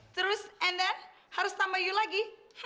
terus and then harus tambah lu lagi